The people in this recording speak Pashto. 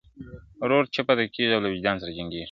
• ورور چوپ پاتې کيږي او له وجدان سره جنګېږي..